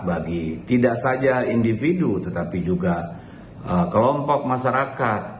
bagi tidak saja individu tetapi juga kelompok masyarakat